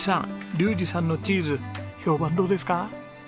竜士さんのチーズ評判どうですか？